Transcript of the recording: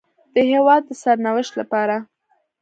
د هېواد د سرنوشت لپاره